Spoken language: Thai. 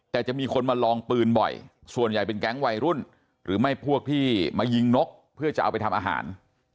แต่จะมีคนมาลองปืนบ่อยส่วนใหญ่เป็นแก๊งวัยรุ่นหรือไม่พวกที่มายิงนกเพื่อจะเอาไปทำอาหาร